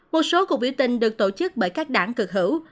một số cuộc biểu tình được tổ chức bởi các đảng cực hữu